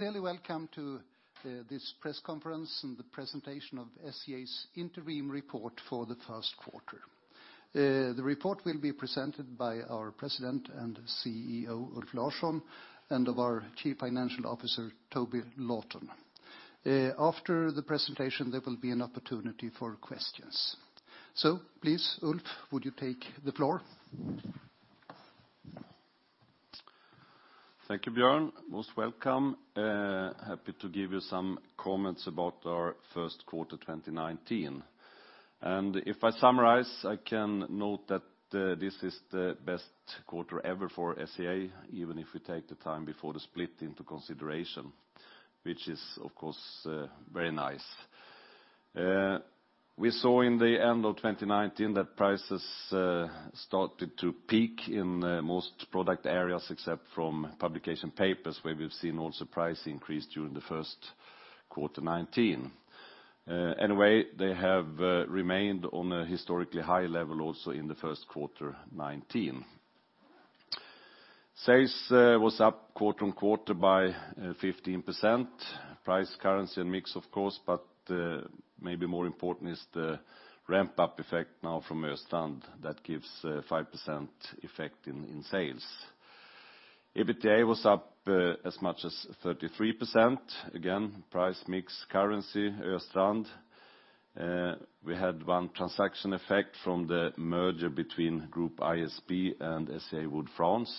Welcome to this press conference and the presentation of SCA's interim report for the first quarter. The report will be presented by our President and CEO, Ulf Larsson, and our Chief Financial Officer, Toby Lawton. After the presentation, there will be an opportunity for questions. Please, Ulf, would you take the floor? Thank you, Björn. Most welcome. Happy to give you some comments about our first quarter 2019. If I summarize, I can note that this is the best quarter ever for SCA, even if you take the time before the split into consideration, which is, of course, very nice. We saw in the end of 2019 that prices started to peak in most product areas, except from publication papers, where we have seen also price increase during the first quarter 2019. They have remained on a historically high level also in the first quarter 2019. Sales was up quarter-on-quarter by 15%. Price, currency, and mix, of course, but maybe more important is the ramp-up effect now from Östrand that gives 5% effect in sales. EBITDA was up as much as 33%. Again, price mix, currency, Östrand. We had one transaction effect from the merger between Groupe ISB and SCA Wood France.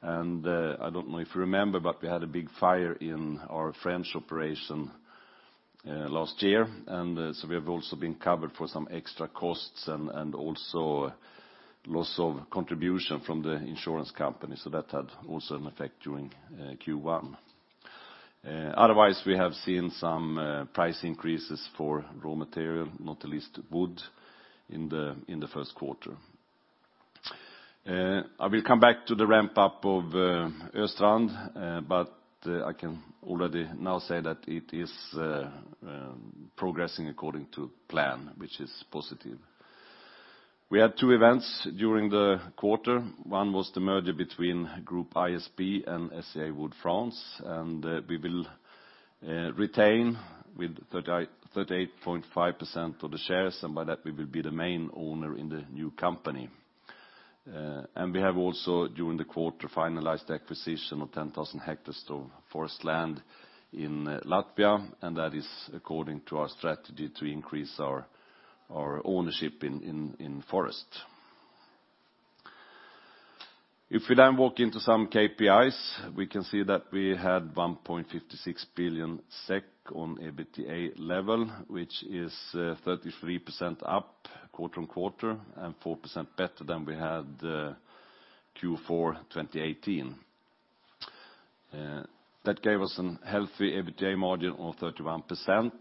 I don't know if you remember, but we had a big fire in our French operation last year. We have also been covered for some extra costs and also loss of contribution from the insurance company. That had also an effect during Q1. Otherwise, we have seen some price increases for raw material, not the least wood, in the first quarter. I will come back to the ramp-up of Östrand, but I can already now say that it is progressing according to plan, which is positive. We had two events during the quarter. One was the merger between Groupe ISB and SCA Wood France. We will retain with 38.5% of the shares, and by that we will be the main owner in the new company. We have also, during the quarter, finalized the acquisition of 10,000 hectares of forest land in Latvia, and that is according to our strategy to increase our ownership in forest. If we walk into some KPIs, we can see that we had 1.56 billion SEK on EBITDA level, which is 33% up quarter-on-quarter and 4% better than we had Q4 2018. That gave us a healthy EBITDA margin of 31%,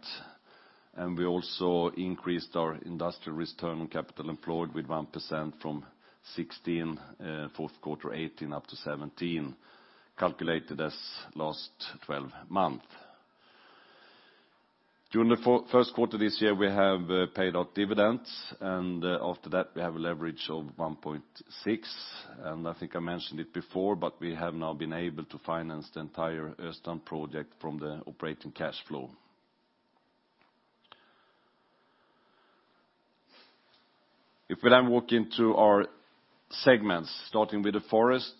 and we also increased our industrial return on capital employed with 1% from 16 fourth quarter 2018 up to 17, calculated as last 12 months. During the first quarter of this year, we have paid out dividends, and after that we have a leverage of 1.6. I think I mentioned it before, but we have now been able to finance the entire Östrand project from the operating cash flow. We walk into our segments, starting with the forest,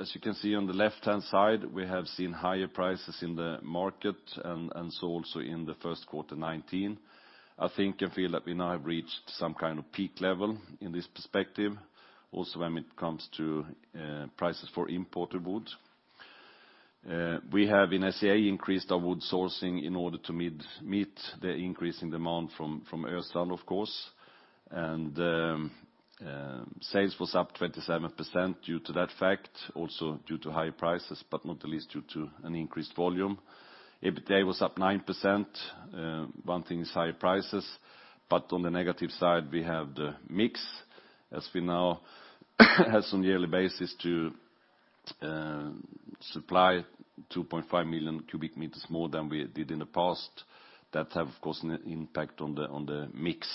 as you can see on the left-hand side, we have seen higher prices in the market also in the first quarter 2019. I think and feel that we now have reached some kind of peak level in this perspective, also when it comes to prices for imported wood. We have in SCA increased our wood sourcing in order to meet the increasing demand from Östrand, of course. Sales was up 27% due to that fact, also due to high prices, but not the least due to an increased volume. EBITDA was up 9%, one thing is higher prices, but on the negative side, we have the mix as we now have on a yearly basis to supply 2.5 million cu m more than we did in the past. That has, of course, an impact on the mix.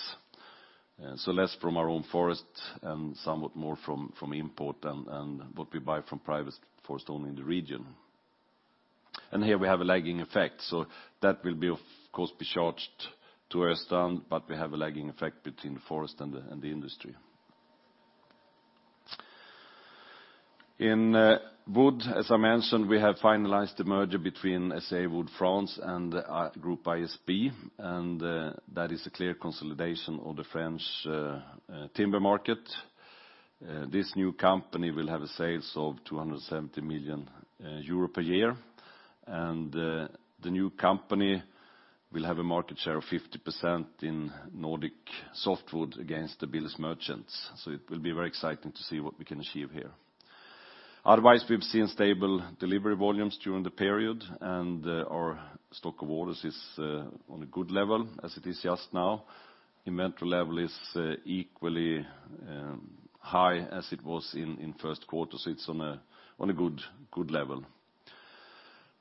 Less from our own forest and somewhat more from import and what we buy from private forest owning the region. Here we have a lagging effect, so that will of course be charged to Östrand, but we have a lagging effect between the forest and the industry. In wood, as I mentioned, we have finalized the merger between SCA Wood France and Groupe ISB, that is a clear consolidation of the French timber market. This new company will have sales of 270 million euro per year, and the new company will have a market share of 50% in Nordic softwood against the builders merchants. It will be very exciting to see what we can achieve here. Otherwise, we've seen stable delivery volumes during the period, and our stock of orders is on a good level as it is just now. Inventory level is equally high as it was in first quarter, it's on a good level.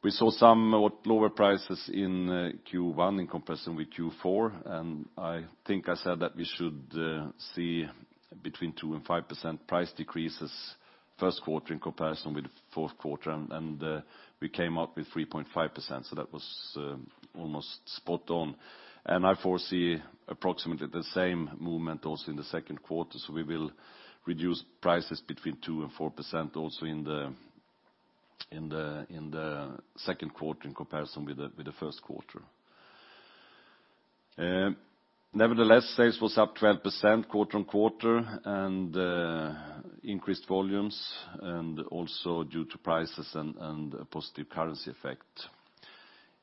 We saw somewhat lower prices in Q1 in comparison with Q4, I think I said that we should see between 2% and 5% price decreases in the first quarter in comparison with the fourth quarter, and we came up with 3.5%, so that was almost spot on. I foresee approximately the same movement also in the second quarter, so we will reduce prices between 2% and 4% also in the second quarter in comparison with the first quarter. Nevertheless, sales was up 12% quarter-on-quarter, increased volumes, also due to prices and a positive currency effect.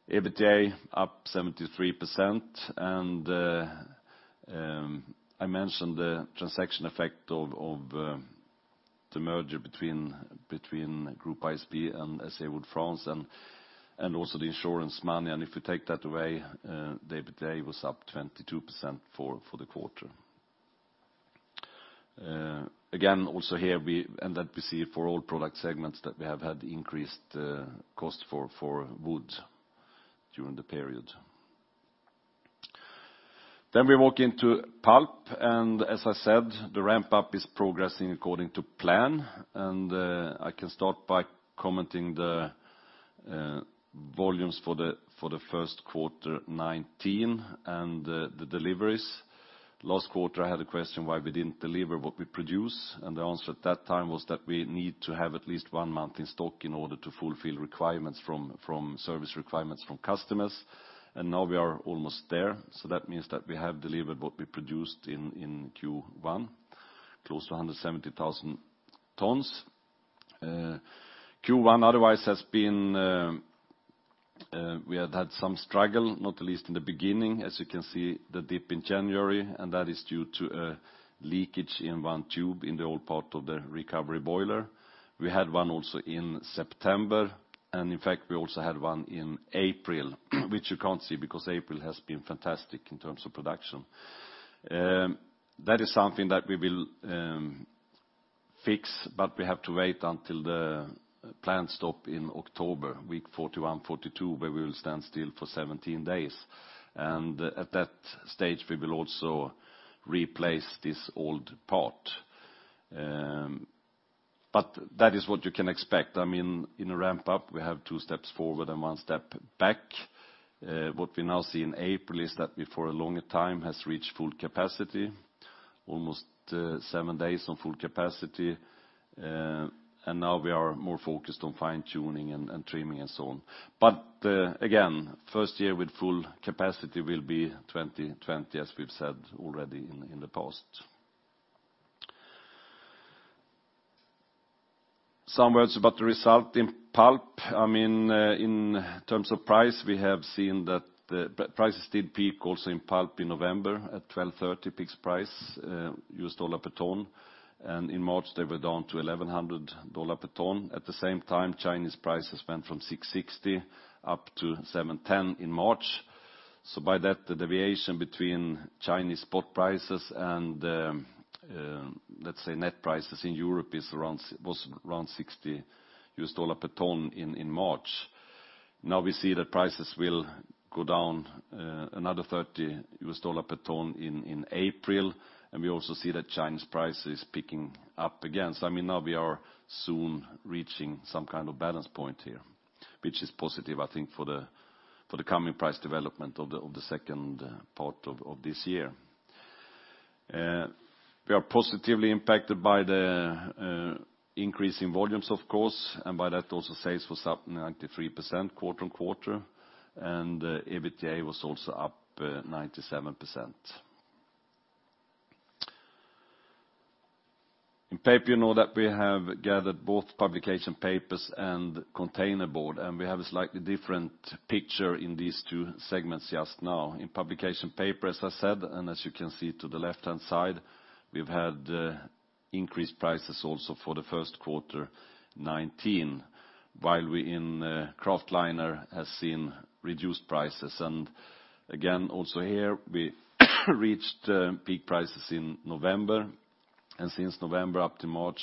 EBITDA up 73%, I mentioned the transaction effect of the merger between Groupe ISB and SCA Wood France also the insurance money. If you take that away, the EBITDA was up 22% for the quarter. Again, also here, that we see for all product segments, that we have had increased cost for wood during the period. We walk into pulp, as I said, the ramp-up is progressing according to plan. I can start by commenting the volumes for the first quarter 2019 and the deliveries. Last quarter I had a question why we didn't deliver what we produce, the answer at that time was that we need to have at least one month in stock in order to fulfill service requirements from customers. Now we are almost there, so that means that we have delivered what we produced in Q1, close to 170,000 tons. Q1 otherwise, we had had some struggle, not at least in the beginning, as you can see the dip in January. That is due to a leakage in one tube in the old part of the recovery boiler. We had one also in September. In fact, we also had one in April, which you can't see because April has been fantastic in terms of production. That is something that we will fix. We have to wait until the plant stop in October, week 41, 42, where we will stand still for 17 days. At that stage, we will also replace this old part. That is what you can expect. In a ramp-up, we have two steps forward and one step back. What we now see in April is that we, for a longer time, have reached full capacity, almost seven days on full capacity. Now we are more focused on fine-tuning and trimming and so on. Again, first year with full capacity will be 2020 as we've said already in the past. Some words about the result in pulp. In terms of price, we have seen that the prices did peak also in pulp in November at $1,230 peak price per ton. In March they were down to $1,100 per ton. At the same time, Chinese prices went from $660 up to $710 in March. By that, the deviation between Chinese spot prices and, let's say, net prices in Europe was around $60 per ton in March. We see that prices will go down another $30 per ton in April. We also see that Chinese price is picking up again. Now we are soon reaching some kind of balance point here, which is positive, I think, for the coming price development of the second part of this year. We are positively impacted by the increase in volumes, of course. By that also sales was up 93% quarter-on-quarter. EBITDA was also up 97%. In paper, you know that we have gathered both publication papers and containerboard. We have a slightly different picture in these two segments just now. In publication paper, as I said, and as you can see to the left-hand side, we've had increased prices also for the first quarter 2019, while we in kraftliner have seen reduced prices. Again, also here, we reached peak prices in November. Since November up to March,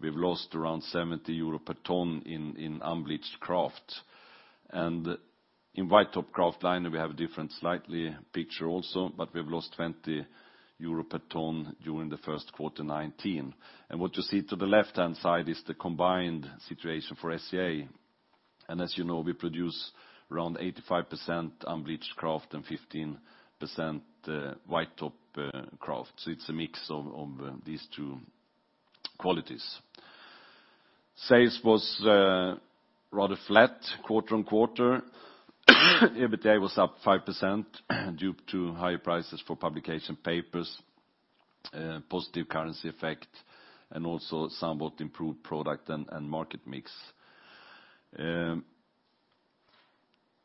we've lost around 70 euro per ton in unbleached kraft. In White Top Kraftliner, we have a different slightly picture also. We've lost 20 euro per ton during the first quarter 2019. What you see to the left-hand side is the combined situation for SCA. As you know, we produce around 85% unbleached kraft and 15% White Top Kraft. It's a mix of these two qualities. Sales was rather flat quarter-on-quarter. EBITDA was up 5% due to higher prices for publication papers, positive currency effect, and also somewhat improved product and market mix.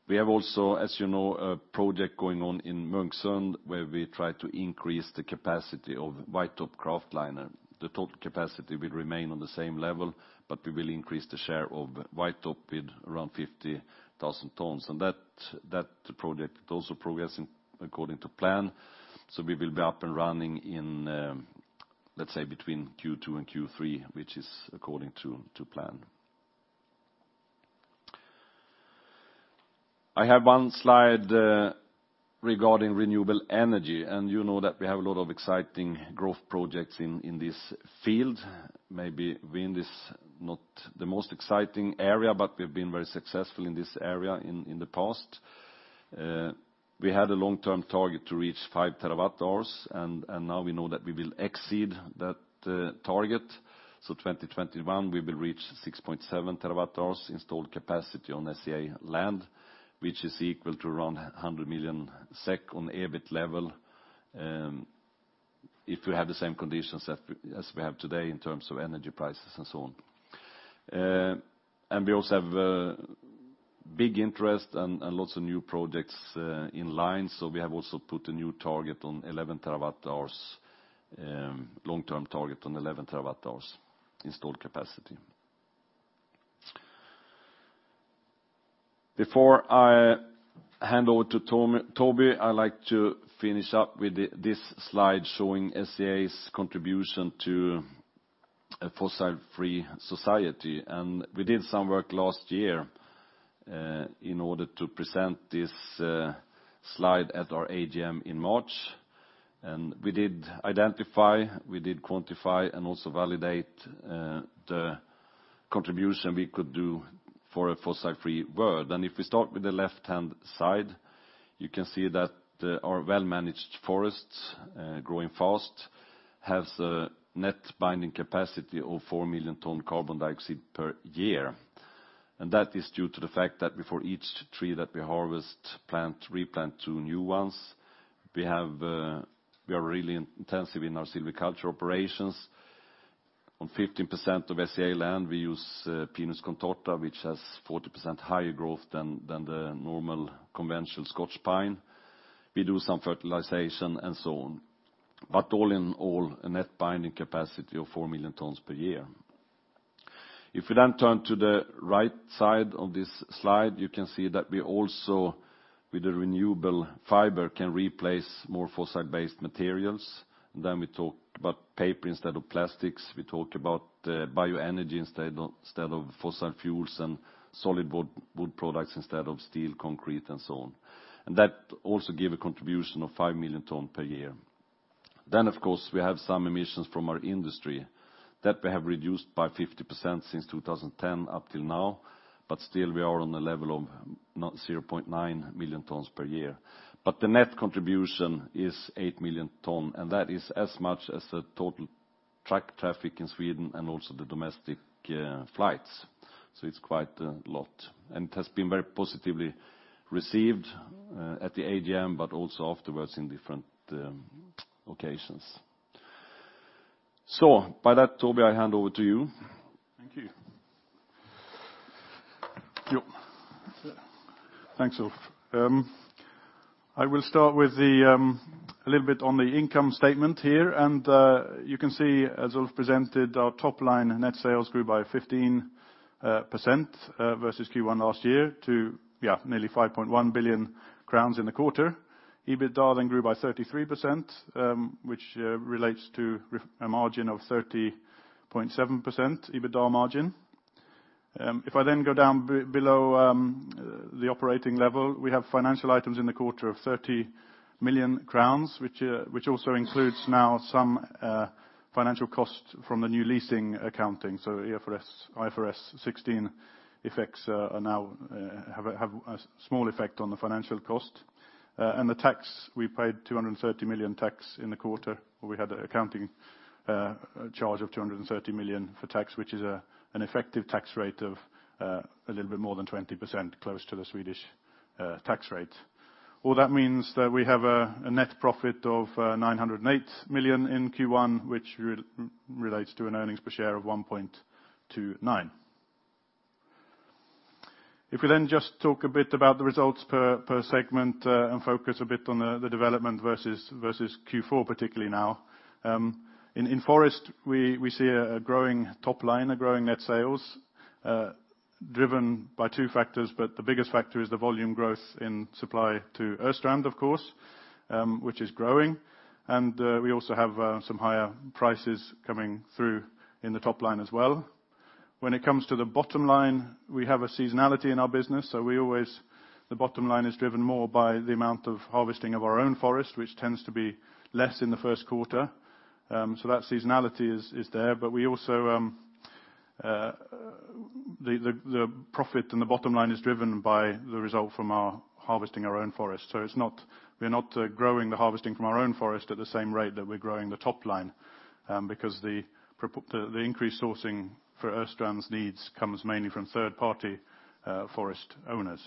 We have also, as you know, a project going on in Munksund where we try to increase the capacity of White Top Kraftliner. The total capacity will remain on the same level. We will increase the share of white top with around 50,000 tons. That project also progressing according to plan. We will be up and running in, let's say, between Q2 and Q3, which is according to plan. I have one slide regarding renewable energy, and you know that we have a lot of exciting growth projects in this field. Maybe wind is not the most exciting area, but we've been very successful in this area in the past. We had a long-term target to reach 5 TWh, and now we know that we will exceed that target. 2021, we will reach 6.7 TWh installed capacity on SCA land, which is equal to around 100 million SEK on EBIT level, if we have the same conditions as we have today in terms of energy prices and so on. We also have big interest and lots of new projects in line, we have also put a new target on 11 TWh, long-term target on 11 TWh installed capacity. Before I hand over to Toby, I'd like to finish up with this slide showing SCA's contribution to a fossil-free society, we did some work last year in order to present this slide at our AGM in March. We did identify, we did quantify, and also validate the contribution we could do for a fossil-free world. If we start with the left-hand side, you can see that our well-managed forests, growing fast, has a net binding capacity of 4 million tons carbon dioxide per year. That is due to the fact that before each tree that we harvest, replant two new ones. We are really intensive in our silviculture operations. On 15% of SCA land, we use Pinus contorta, which has 40% higher growth than the normal conventional Scots pine. We do some fertilization and so on. All in all, a net binding capacity of 4 million tons per year. If we turn to the right side of this slide, you can see that we also, with the renewable fiber, can replace more fossil-based materials. We talked about paper instead of plastics, we talked about bioenergy instead of fossil fuels, and solid wood products instead of steel, concrete, and so on. That also give a contribution of 5 million tons per year. Of course, we have some emissions from our industry that we have reduced by 50% since 2010 up till now, but still we are on the level of 0.9 million tons per year. The net contribution is 8 million tons, and that is as much as the total truck traffic in Sweden and also the domestic flights, it's quite a lot. It has been very positively received at the AGM, but also afterwards in different occasions. By that, Toby, I hand over to you. Thank you. Thanks, Ulf. I will start with a little bit on the income statement here. You can see, as Ulf presented, our top line net sales grew by 15% versus Q1 last year to, yeah, nearly 5.1 billion crowns in the quarter. EBITDA grew by 33%, which relates to a margin of 30.7% EBITDA margin. I go down below the operating level, we have financial items in the quarter of 30 million crowns, which also includes now some financial costs from the new leasing accounting. IFRS 16 effects now have a small effect on the financial cost. The tax, we paid 230 million tax in the quarter, where we had a accounting charge of 230 million for tax, which is an effective tax rate of a little bit more than 20%, close to the Swedish tax rate. All that means that we have a net profit of 908 million in Q1, which relates to an earnings per share of 1.29. We just talk a bit about the results per segment, focus a bit on the development versus Q4, particularly now. In forest, we see a growing top line, a growing net sales, driven by two factors, but the biggest factor is the volume growth in supply to Östrand, of course, which is growing, and we also have some higher prices coming through in the top line as well. When it comes to the bottom line, we have a seasonality in our business, so the bottom line is driven more by the amount of harvesting of our own forest, which tends to be less in the first quarter. That seasonality is there, the profit and the bottom line is driven by the result from our harvesting our own forest. We're not growing the harvesting from our own forest at the same rate that we're growing the top line, because the increased sourcing for Östrand's needs comes mainly from third-party forest owners.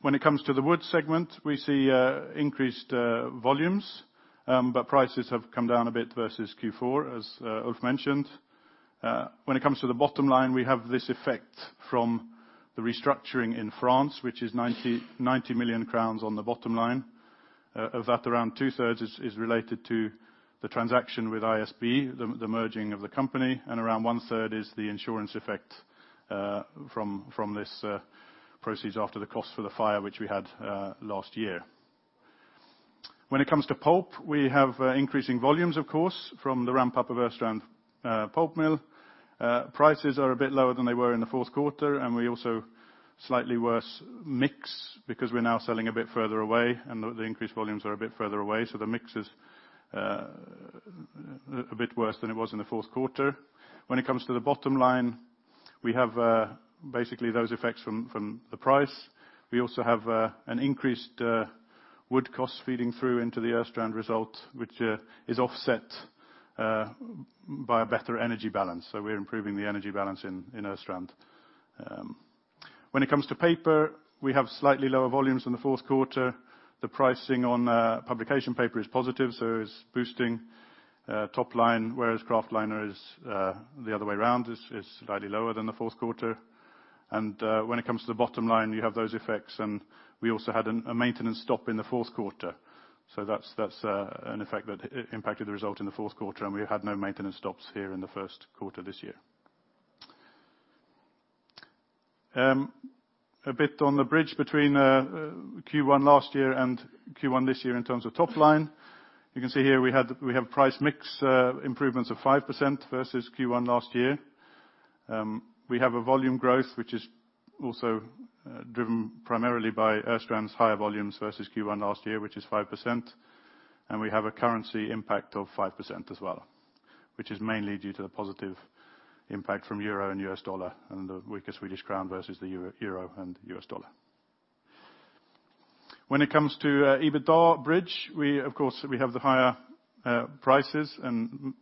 When it comes to the wood segment, we see increased volumes, but prices have come down a bit versus Q4, as Ulf mentioned. When it comes to the bottom line, we have this effect from the restructuring in France, which is 90 million crowns on the bottom line. Of that, around two-thirds is related to the transaction with ISB, the merging of the company, and around one-third is the insurance effect from this proceeds after the cost for the fire which we had last year. When it comes to pulp, we have increasing volumes, of course, from the ramp up of Östrand pulp mill. Prices are a bit lower than they were in the fourth quarter. We also slightly worse mix because we're now selling a bit further away. The increased volumes are a bit further away, the mix is a bit worse than it was in the fourth quarter. When it comes to the bottom line, we have basically those effects from the price. We also have an increased wood cost feeding through into the Östrand result, which is offset by a better energy balance. We're improving the energy balance in Östrand. When it comes to paper, we have slightly lower volumes than the fourth quarter. The pricing on publication paper is positive, so it's boosting top line, whereas kraftliner is the other way around, is slightly lower than the fourth quarter. When it comes to the bottom line, you have those effects, and we also had a maintenance stop in the fourth quarter. That's an effect that impacted the result in the fourth quarter, and we had no maintenance stops here in the first quarter this year. A bit on the bridge between Q1 last year and Q1 this year in terms of top line, you can see here we have price mix improvements of 5% versus Q1 last year. We have a volume growth, which is also driven primarily by Östrand's higher volumes versus Q1 last year, which is 5%. We have a currency impact of 5% as well, which is mainly due to the positive impact from euro and U.S. dollar and the weaker Swedish krona versus the euro and U.S. dollar. When it comes to EBITDA bridge, of course, we have the higher prices and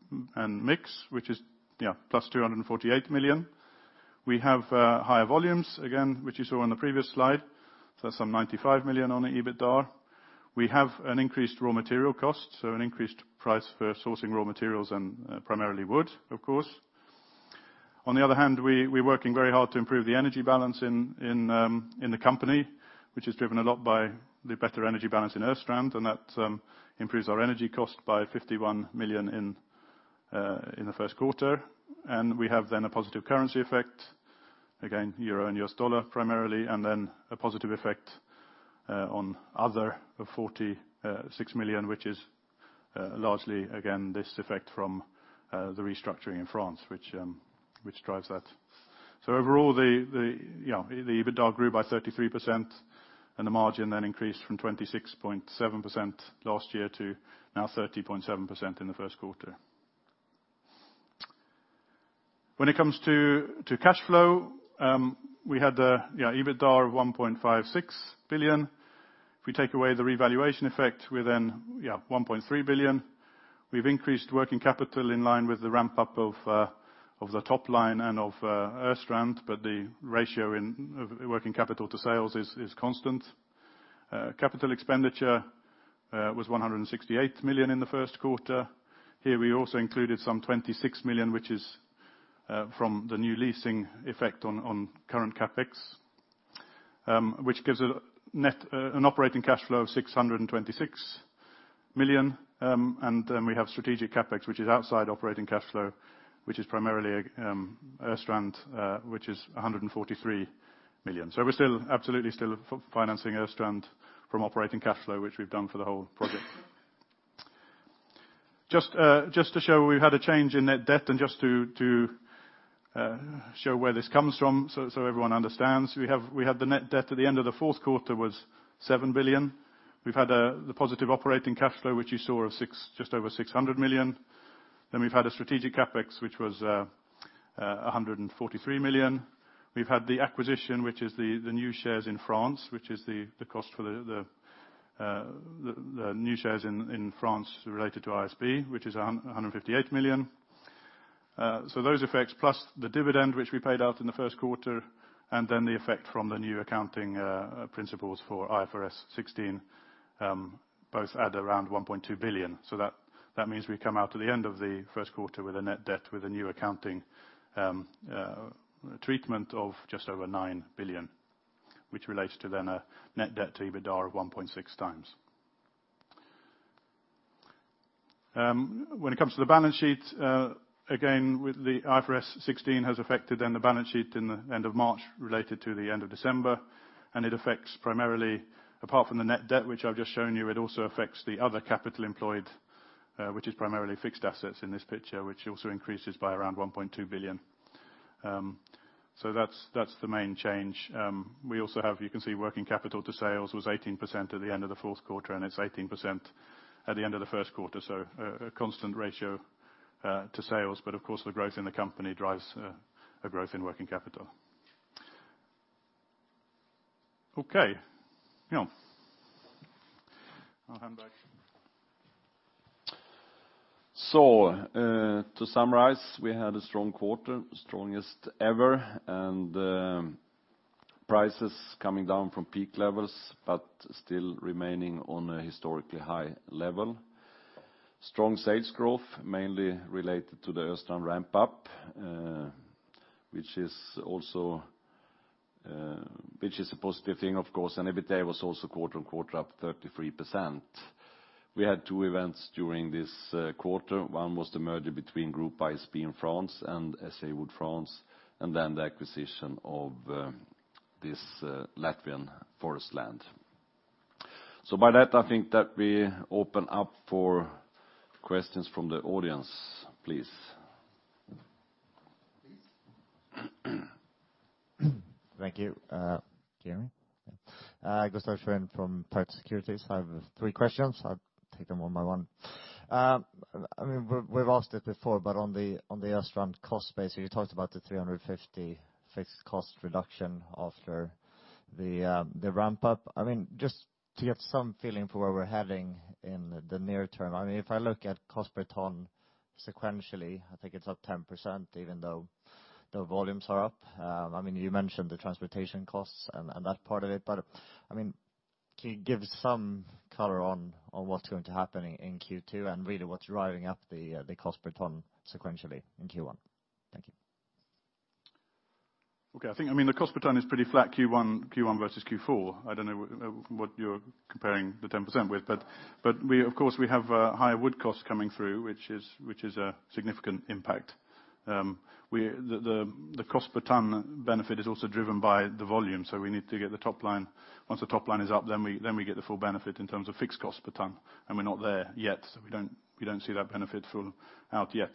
mix, which is +248 million. We have higher volumes, again, which you saw on the previous slide. That's some 95 million on the EBITDA. We have an increased raw material cost, so an increased price for sourcing raw materials and primarily wood, of course. On the other hand, we're working very hard to improve the energy balance in the company, which is driven a lot by the better energy balance in Östrand, and that improves our energy cost by 51 million in the first quarter. We have then a positive currency effect, again, EUR and U.S. dollar primarily, and then a positive effect on other 46 million, which is largely, again, this effect from the restructuring in France, which drives that. Overall, the EBITDA grew by 33%, and the margin then increased from 26.7% last year to now 30.7% in the first quarter. When it comes to cash flow, we had the EBITDA of 1.56 billion. If we take away the revaluation effect, we're then 1.3 billion. We've increased working capital in line with the ramp-up of the top line and of Östrand, but the ratio of working capital to sales is constant. Capital expenditure was 168 million in the first quarter. Here we also included some 26 million, which is from the new leasing effect on current CapEx, which gives an operating cash flow of 626 million. We have strategic CapEx, which is outside operating cash flow, which is primarily Östrand, which is 143 million. We're absolutely still financing Östrand from operating cash flow, which we've done for the whole project. Just to show we've had a change in net debt and just to show where this comes from so everyone understands. We had the net debt at the end of the fourth quarter was 7 billion. We've had the positive operating cash flow, which you saw, of just over 600 million. We've had a strategic CapEx, which was 143 million. We've had the acquisition, which is the new shares in France, which is the cost for the new shares in France related to ISB, which is 158 million. Those effects plus the dividend, which we paid out in the first quarter, and then the effect from the new accounting principles for IFRS 16, both add around 1.2 billion. That means we come out to the end of the first quarter with a net debt with a new accounting treatment of just over 9 billion, which relates to then a net debt to EBITDA of 1.6x. When it comes to the balance sheet, again, the IFRS 16 has affected then the balance sheet in the end of March related to the end of December, and it affects primarily, apart from the net debt, which I've just shown you, it also affects the other capital employed, which is primarily fixed assets in this picture, which also increases by around 1.2 billion. That's the main change. We also have, you can see, working capital to sales was 18% at the end of the fourth quarter, and it's 18% at the end of the first quarter. A constant ratio to sales, but of course, the growth in the company drives a growth in working capital. I'll hand back. To summarize, we had a strong quarter, strongest ever, and prices coming down from peak levels, but still remaining on a historically high level. Strong sales growth, mainly related to the Östrand ramp-up, which is a positive thing, of course, and EBITDA was also quarter-over-quarter up 33%. We had two events during this quarter. One was the merger between Groupe ISB in France and SCA Wood France, and then the acquisition of this Latvian forest land. By that, I think that we open up for questions from the audience, please. Thank you. Can you hear me? Gustaf Schwerin from Pareto Securities. I have three questions. I'll take them one by one. We've asked it before, but on the Östrand cost base, you talked about the 350 fixed cost reduction after the ramp-up. Just to get some feeling for where we're heading in the near term. If I look at cost per ton sequentially, I think it's up 10%, even though the volumes are up. You mentioned the transportation costs and that part of it, but can you give some color on what's going to happen in Q2, and really what's driving up the cost per ton sequentially in Q1? Thank you. Okay. I think the cost per ton is pretty flat Q1 versus Q4. I don't know what you're comparing the 10% with. Of course, we have higher wood costs coming through, which is a significant impact. The cost per ton benefit is also driven by the volume. We need to get the top line. Once the top line is up, we get the full benefit in terms of fixed cost per ton. We're not there yet. We don't see that benefit full out yet.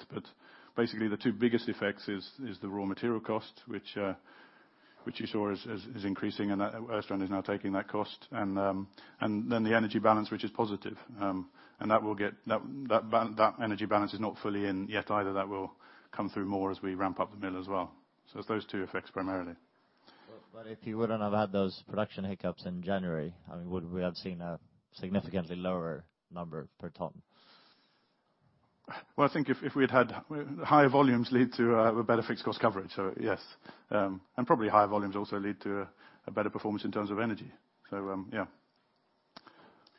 Basically, the two biggest effects is the raw material cost, which you saw is increasing, and Östrand is now taking that cost. The energy balance, which is positive. That energy balance is not fully in yet either. That will come through more as we ramp up the mill as well. It's those two effects primarily. If you wouldn't have had those production hiccups in January, would we have seen a significantly lower number per ton? Well, I think higher volumes lead to a better fixed cost coverage, yes. Probably higher volumes also lead to a better performance in terms of energy. Yeah.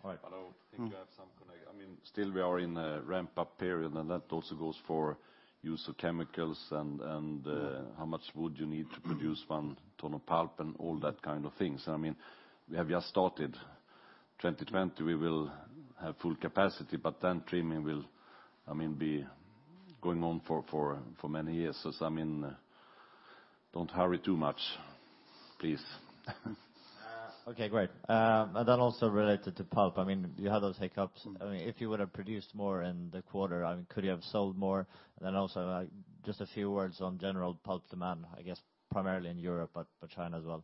All right. I think you have something, still we are in a ramp-up period. That also goes for use of chemicals and how much wood you need to produce one ton of pulp and all that kind of things. We have just started. 2020, we will have full capacity. Trimming will be going on for many years. Don't hurry too much, please. Okay, great. Related to pulp. You had those hiccups. If you would've produced more in the quarter, could you have sold more? Just a few words on general pulp demand, I guess primarily in Europe, but China as well.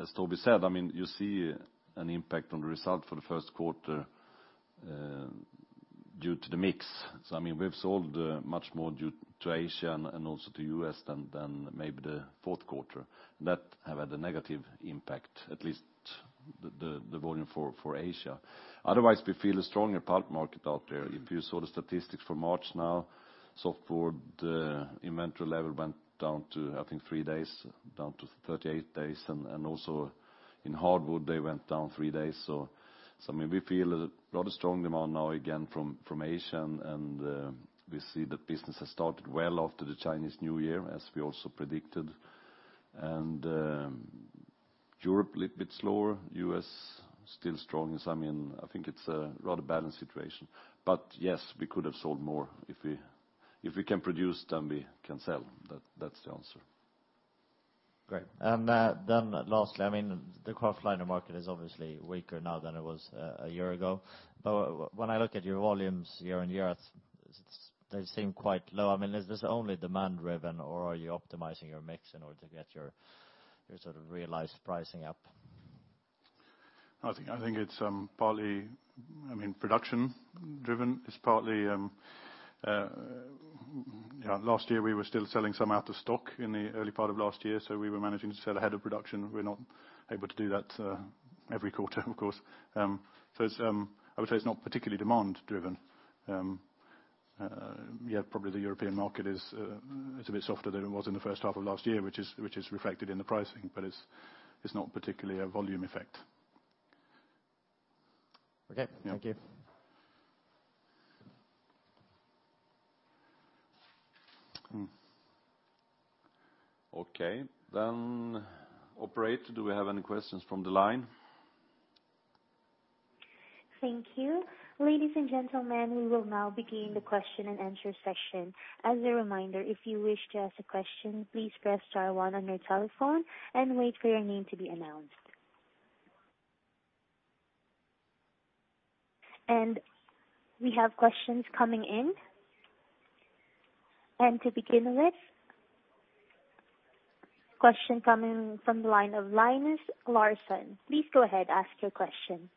As Toby said, you see an impact on the result for the first quarter due to the mix. We've sold much more due to Asia and also to U.S. than maybe the fourth quarter. That have had a negative impact, at least the volume for Asia. Otherwise, we feel a stronger pulp market out there. If you saw the statistics for March now, softwood inventory level went down to, I think 38 days, and also in hardwood they went down three days. We feel a lot of strong demand now again from Asia, and we see that business has started well after the Chinese New Year, as we also predicted. Europe a little bit slower, U.S. still strong. I think it's a rather balanced situation. Yes, we could have sold more. If we can produce, then we can sell. That's the answer. Great. Lastly, the kraftliner market is obviously weaker now than it was a year ago. When I look at your volumes year-on-year, they seem quite low. Is this only demand-driven, or are you optimizing your mix in order to get your realized pricing up? I think it's partly production driven. Last year we were still selling some out of stock in the early part of last year, we were managing to sell ahead of production. We're not able to do that every quarter, of course. I would say it's not particularly demand driven. Yeah, probably the European market is a bit softer than it was in the first half of last year, which is reflected in the pricing, but it's not particularly a volume effect. Okay. Yeah. Thank you. Operator, do we have any questions from the line? Thank you. Ladies and gentlemen, we will now begin the question and answer session. As a reminder, if you wish to ask a question, please press star one on your telephone and wait for your name to be announced. We have questions coming in. To begin with, question coming from the line of Linus Larsson. Please go ahead, ask your question.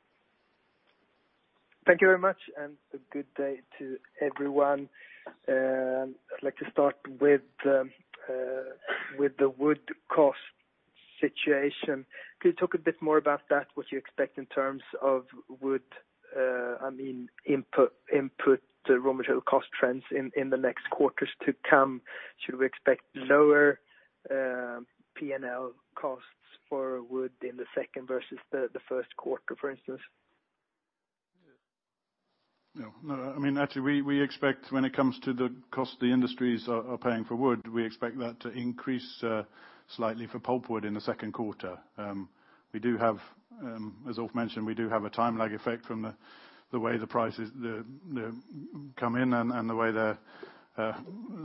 Thank you very much, and a good day to everyone. I'd like to start with the wood cost situation. Could you talk a bit more about that, what you expect in terms of wood input, the raw material cost trends in the next quarters to come? Should we expect lower P&L costs for wood in the second versus the first quarter, for instance? No. Actually, when it comes to the cost the industries are paying for wood, we expect that to increase slightly for pulpwood in the second quarter. As Ulf mentioned, we do have a time lag effect from the way the prices come in and the way they're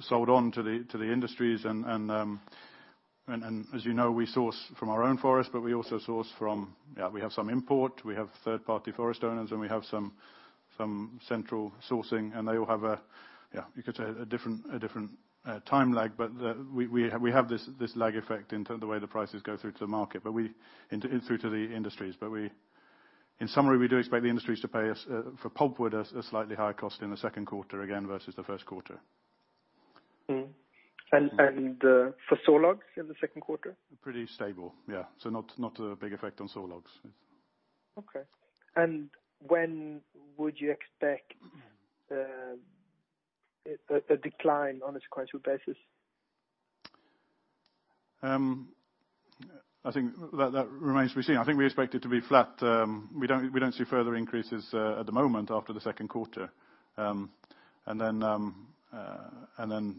sold on to the industries. As you know, we source from our own forest, but we also source from We have some import, we have third-party forest owners, and we have some central sourcing, and they all have a different time lag. We have this lag effect in the way the prices go through to the market, through to the industries. In summary, we do expect the industries to pay us for pulpwood a slightly higher cost in the second quarter again, versus the first quarter. Mm-hmm. For sawlogs in the second quarter? Pretty stable, yeah. Not a big effect on sawlogs. Okay. When would you expect a decline on a sequential basis? I think that remains to be seen. I think we expect it to be flat. We don't see further increases at the moment after the second quarter. Then,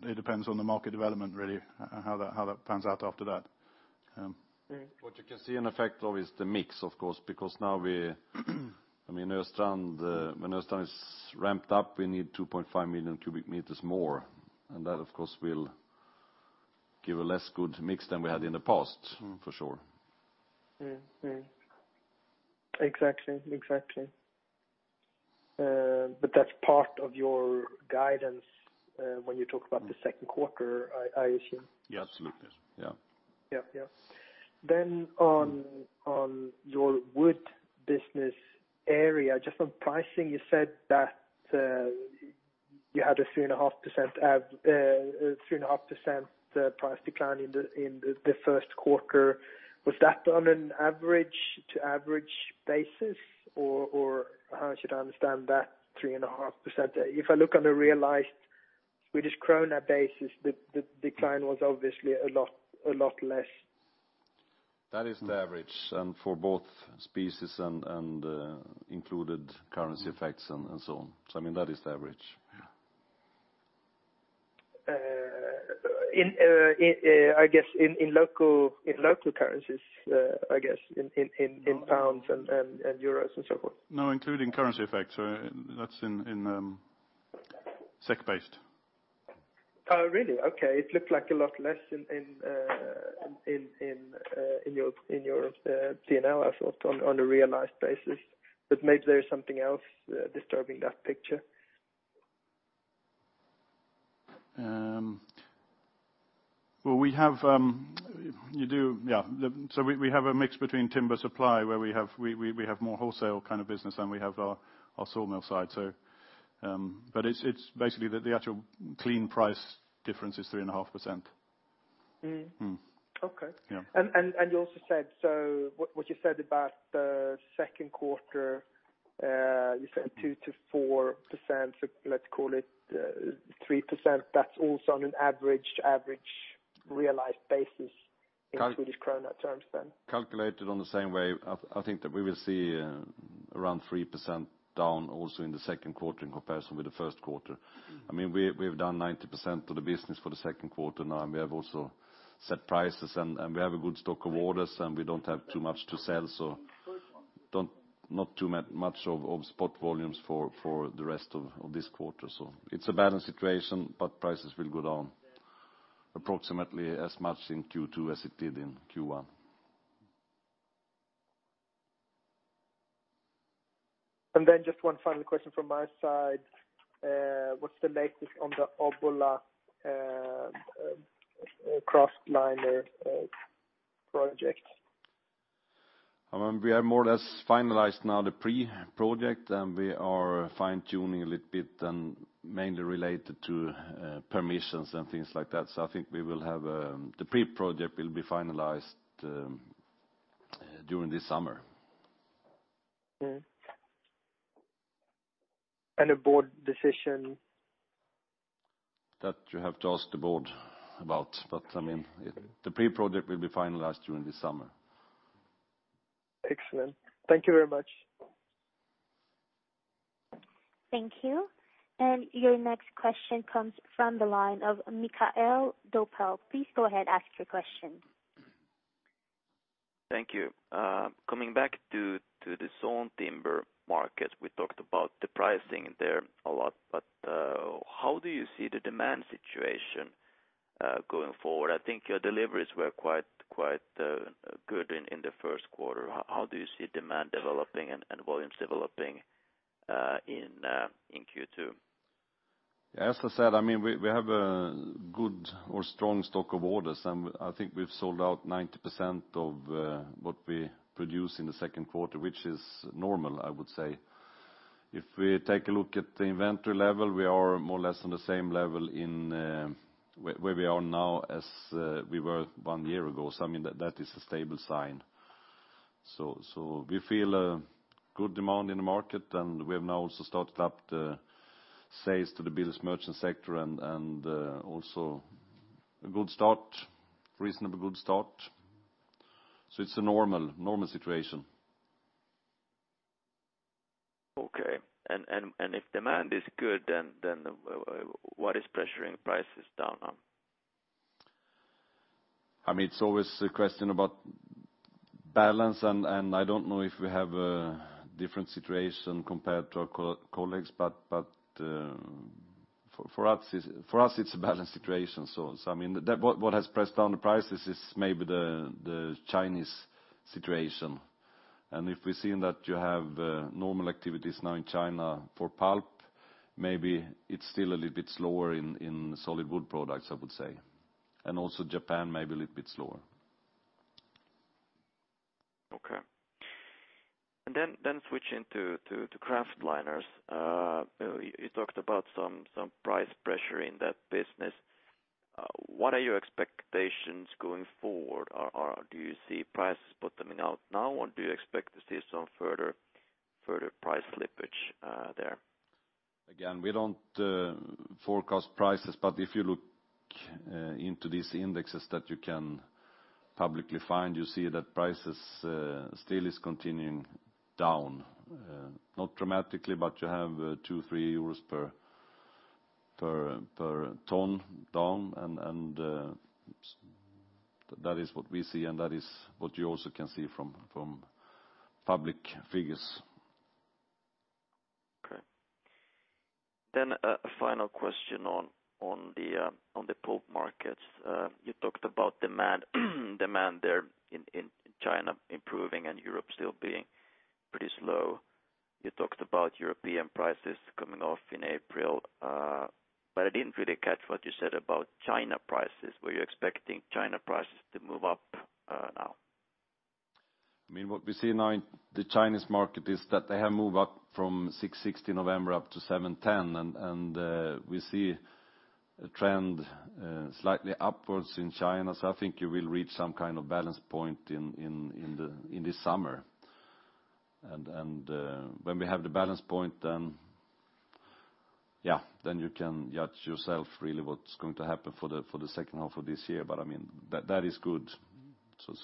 it depends on the market development, really, how that pans out after that. What you can see an effect of is the mix, of course, because now when Östrand is ramped up, we need 2.5 million cu m more. That, of course, will give a less good mix than we had in the past, for sure. Exactly. That's part of your guidance, when you talk about the second quarter, I assume. Yeah, absolutely. Yeah. Yeah. On your wood business area, just on pricing, you said that you had a 3.5% price decline in the first quarter. Was that on an average-to-average basis? Or how should I understand that 3.5%? If I look on a realized Swedish krona basis, the decline was obviously a lot less. That is the average, and for both species and included currency effects and so on. That is the average. Yeah. I guess in local currencies, I guess in pounds and euro and so forth. No, including currency effects. That's SEK-based. Oh, really? Okay. It looked like a lot less in your P&L, I thought, on a realized basis. Maybe there is something else disturbing that picture. We have a mix between timber supply, where we have more wholesale kind of business than we have our sawmill side. Basically, the actual clean price difference is 3.5%. Okay. Yeah. You also said, what you said about the second quarter, you said 2%-4%, let's call it 3%. That's also on an average-to-average realized basis in Swedish krona terms then? Calculated on the same way, I think that we will see around 3% down also in the second quarter in comparison with the first quarter. We've done 90% of the business for the second quarter now, we have also set prices, we have a good stock of orders, we don't have too much to sell. Not too much of spot volumes for the rest of this quarter. It's a balanced situation, prices will go down approximately as much in Q2 as it did in Q1. Just one final question from my side. What's the latest on the Obbola kraftliner project? We have more or less finalized now the pre-project, and we are fine-tuning a little bit and mainly related to permissions and things like that. I think the pre-project will be finalized during the summer. A board decision? That you have to ask the board about, but the pre-project will be finalized during the summer. Excellent. Thank you very much. Thank you. Your next question comes from the line of Mikael Doepel. Please go ahead, ask your question. Thank you. Coming back to the sawn timber market, we talked about the pricing there a lot. How do you see the demand situation going forward? I think your deliveries were quite good in the first quarter. How do you see demand developing and volumes developing in Q2? As I said, we have a good or strong stock of orders. I think we've sold out 90% of what we produce in the second quarter, which is normal, I would say. If we take a look at the inventory level, we are more or less on the same level where we are now as we were one year ago. That is a stable sign. We feel a good demand in the market. We have now also started up the sales to the builders merchant sector and also a reasonable good start. It's a normal situation. If demand is good, what is pressuring prices down? It's always a question about balance. I don't know if we have a different situation compared to our colleagues, for us it's a balanced situation. What has pressed down the prices is maybe the Chinese situation. If we've seen that you have normal activities now in China for pulp, maybe it's still a little bit slower in solid wood products, I would say. Also Japan may be a little bit slower. Okay. Switching to kraftliners. You talked about some price pressure in that business. What are your expectations going forward? Do you see prices bottoming out now, or do you expect to see some further price slippage there? Again, we don't forecast prices. If you look into these indexes that you can publicly find, you see that prices still is continuing down. Not dramatically, you have 2, 3 euros per ton down. That is what we see, that is what you also can see from public figures. Okay. A final question on the pulp markets. You talked about demand there in China improving and Europe still being pretty slow. You talked about European prices coming off in April, but I didn't really catch what you said about China prices. Were you expecting China prices to move up now? What we see now in the Chinese market is that they have moved up from $660 in November up to $710, and we see a trend slightly upwards in China. I think you will reach some kind of balance point in the summer. When we have the balance point, you can judge yourself really what's going to happen for the second half of this year. That is good.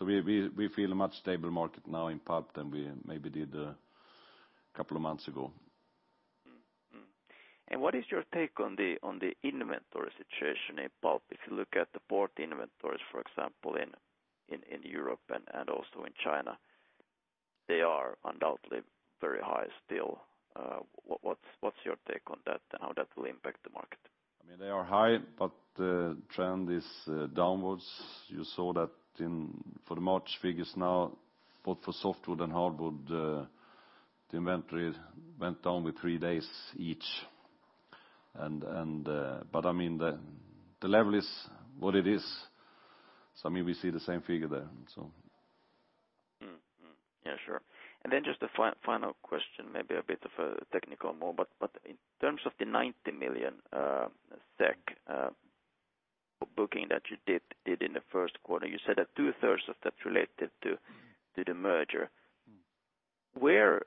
We feel a much stable market now in pulp than we maybe did a couple of months ago. Mm-hmm. What is your take on the inventory situation in pulp? If you look at the port inventories, for example, in Europe and also in China, they are undoubtedly very high still. What's your take on that and how that will impact the market? They are high, the trend is downwards. You saw that for the March figures now, both for softwood and hardwood, the inventory went down with three days each. The level is what it is. We see the same figure there. Mm-hmm. Yeah, sure. Just a final question, maybe a bit of a technical one, but in terms of the 90 million SEK booking that you did in the first quarter, you said that two-thirds of that related to the merger. Where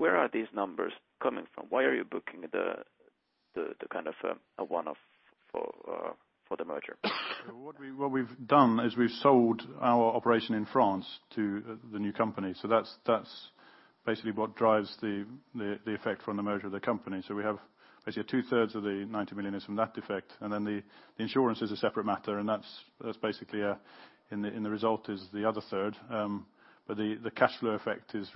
are these numbers coming from? Why are you booking the one-off for the merger? What we've done is we've sold our operation in France to the new company. That's basically what drives the effect from the merger of the company. We have basically two-thirds of the 90 million is from that effect, and the insurance is a separate matter, and that's basically in the result is the other third. The cash flow effect is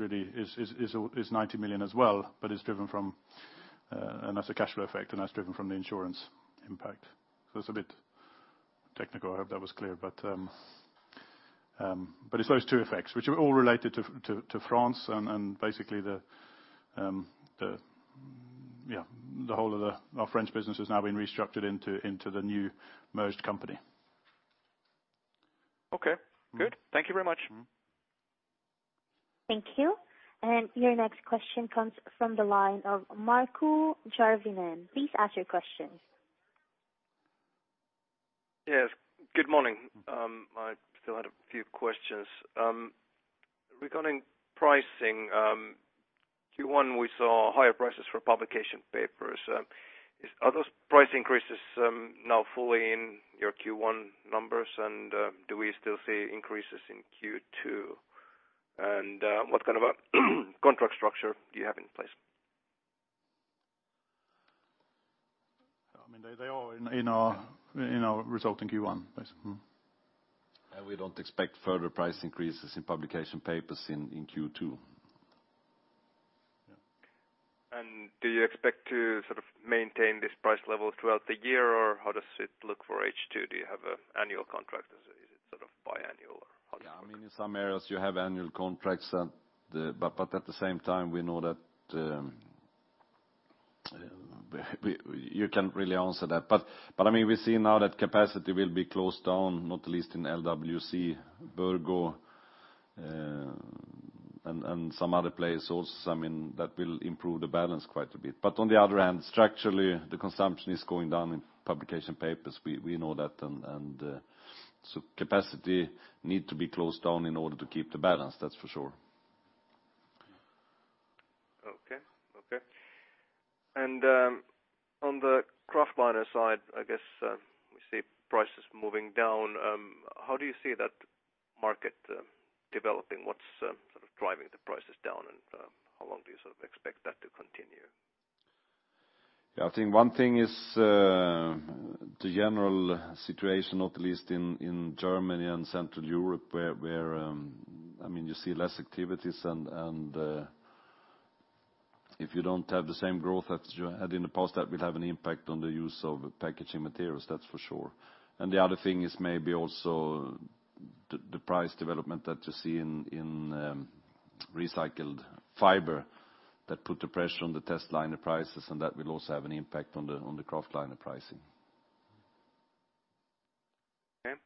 90 million as well. That's a cash flow effect, and that's driven from the insurance impact. It's a bit technical. I hope that was clear. It's those two effects, which are all related to France and basically the whole of our French business has now been restructured into the new merged company. Okay, good. Thank you very much. Thank you. Your next question comes from the line of Markku Järvinen. Please ask your questions. Yes, good morning. I still had a few questions. Regarding pricing, Q1 we saw higher prices for publication papers. Are those price increases now fully in your Q1 numbers, do we still see increases in Q2? What kind of a contract structure do you have in place? They are in our resulting Q1, basically. We don't expect further price increases in publication papers in Q2. Do you expect to maintain this price level throughout the year, or how does it look for H2? Do you have annual contracts? Is it biannual or how does it work? Yeah, in some areas you have annual contracts, at the same time, we know that you can't really answer that. We see now that capacity will be closed down, not least in LWC, Burgo, and some other places also, that will improve the balance quite a bit. On the other hand, structurally, the consumption is going down in publication papers. We know that, capacity need to be closed down in order to keep the balance, that's for sure. Okay. On the kraftliner side, I guess we see prices moving down. How do you see that market developing? What's driving the prices down, and how long do you expect that to continue? Yeah, I think one thing is the general situation, not least in Germany and Central Europe, where you see less activities and if you don't have the same growth that you had in the past, that will have an impact on the use of packaging materials, that's for sure. The other thing is maybe also the price development that you see in recycled fiber that put the pressure on the testliner prices and that will also have an impact on the kraftliner pricing. Okay.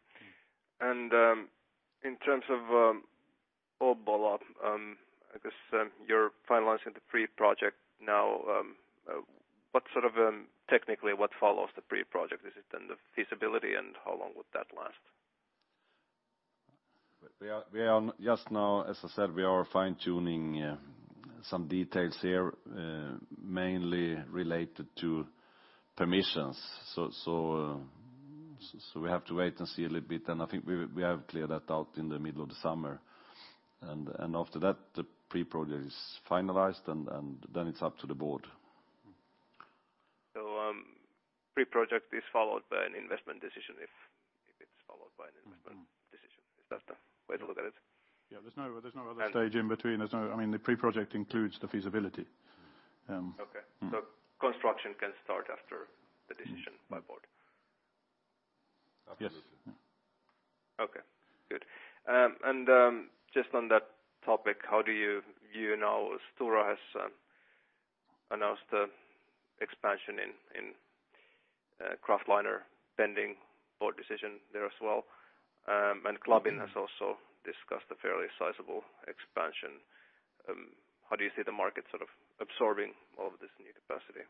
In terms of Obbola, I guess you're finalizing the pre-project now. Technically what follows the pre-project? Is it then the feasibility, and how long would that last? Just now, as I said, we are fine-tuning some details here, mainly related to permissions. We have to wait and see a little bit, I think we have cleared that out in the middle of the summer. After that, the pre-project is finalized, then it's up to the board. Pre-project is followed by an investment decision, if it's followed by an investment decision. Is that the way to look at it? Yeah. There's no other stage in between. The pre-project includes the feasibility. Okay. Construction can start after the decision by board? Absolutely. Yes. Okay, good. Just on that topic, how do you view now Stora has announced expansion in kraftliner pending board decision there as well, and Klabin has also discussed a fairly sizable expansion. How do you see the market sort of absorbing all of this new capacity?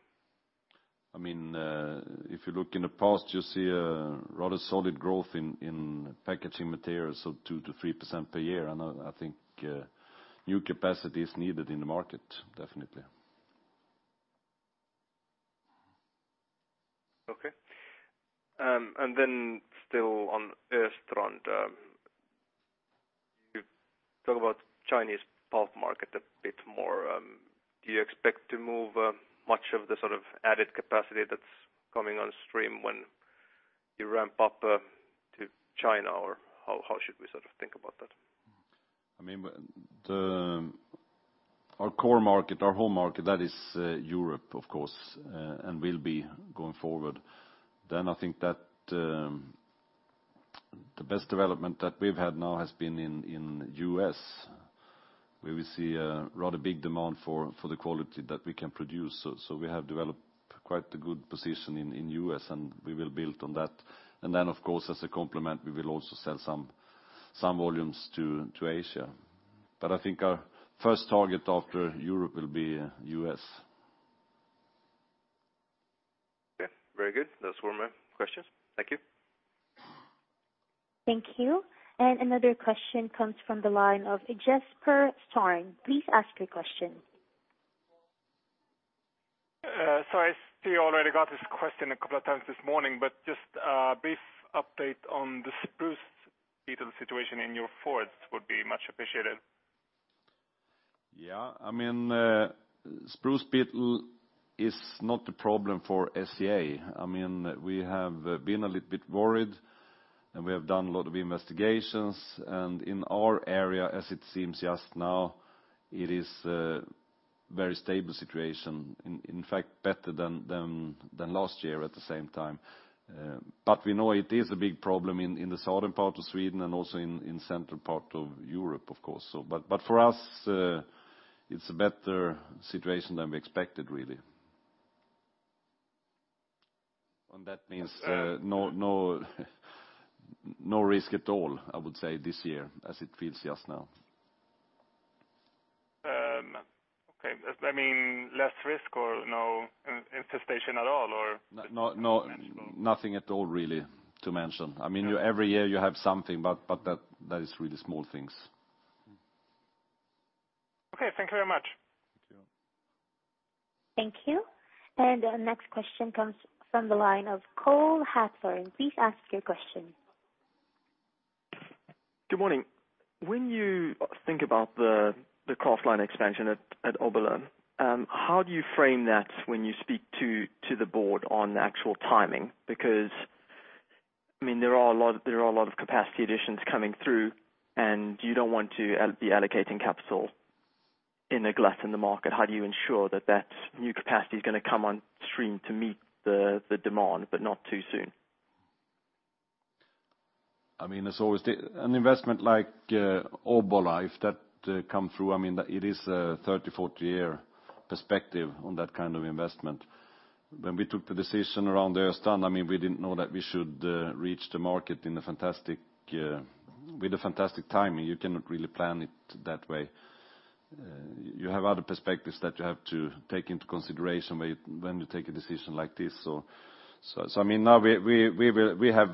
If you look in the past, you see a rather solid growth in packaging materials, so 2%-3% per year, and I think new capacity is needed in the market, definitely. Okay. Still on Östrand, you talk about Chinese pulp market a bit more. Do you expect to move much of the sort of added capacity that's coming on stream when you ramp up to China, or how should we think about that? Our core market, our home market, that is Europe, of course, and will be going forward. I think that the best development that we've had now has been in U.S., where we see a rather big demand for the quality that we can produce. We have developed quite a good position in U.S., and we will build on that. Of course, as a complement, we will also sell some volumes to Asia. I think our first target after Europe will be U.S. Okay. Very good. Those were my questions. Thank you. Thank you. Another question comes from the line of Jesper Starn. Please ask your question. Sorry. I see you already got this question a couple of times this morning, just a brief update on the spruce beetle situation in your forest would be much appreciated. Yeah. Spruce beetle is not a problem for SCA. We have been a little bit worried, and we have done a lot of investigations, and in our area, as it seems just now, it is a very stable situation. In fact, better than last year at the same time. We know it is a big problem in the southern part of Sweden and also in central part of Europe, of course. For us, it's a better situation than we expected, really. That means no risk at all, I would say, this year, as it feels just now. Okay. Less risk or no infestation at all? No. Nothing at all really to mention. Every year you have something, but that is really small things. Okay. Thank you very much. Thank you. Thank you. Our next question comes from the line of Cole Hathorn. Please ask your question. Good morning. When you think about the kraftliner expansion at Obbola, how do you frame that when you speak to the board on the actual timing? There are a lot of capacity additions coming through, and you don't want to be allocating capital in a glut in the market. How do you ensure that that new capacity is going to come on stream to meet the demand, but not too soon? An investment like Obbola, if that come through, it is a 30-40-year perspective on that kind of investment. When we took the decision around Östrand, we didn't know that we should reach the market with a fantastic timing. You cannot really plan it that way. You have other perspectives that you have to take into consideration when you take a decision like this. Soon we have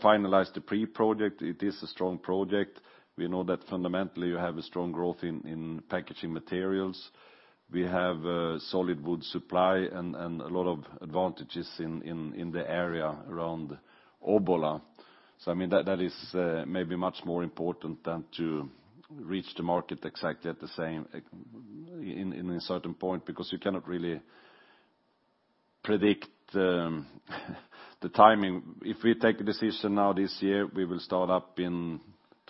finalized the pre-project. It is a strong project. We know that fundamentally you have a strong growth in packaging materials. We have solid wood supply and a lot of advantages in the area around Obbola. That is maybe much more important than to reach the market exactly at the same, in a certain point, you cannot really predict the timing. If we take a decision now this year, we will start up in